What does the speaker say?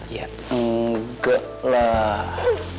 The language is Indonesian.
ya enggak lah